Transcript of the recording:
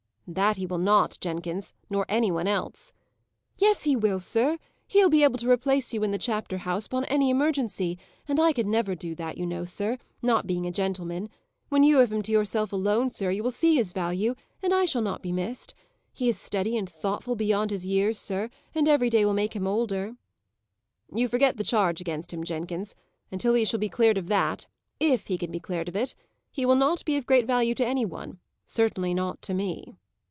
"That he will not, Jenkins. Nor any one else." "Yes, he will, sir! He will be able to replace you in the chapter house upon any emergency, and I never could do that, you know, sir, not being a gentleman. When you have him to yourself alone, sir, you will see his value; and I shall not be missed. He is steady and thoughtful beyond his years, sir, and every day will make him older." "You forget the charge against him, Jenkins. Until he shall be cleared of that if he can be cleared of it he will not be of great value to any one; certainly not to me."